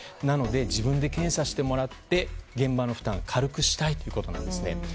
なので、自分で検査してもらって、現場の負担、軽くしたいということなんですね。